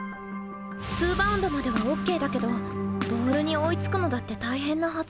ツーバウンドまではＯＫだけどボールに追いつくのだって大変なはず。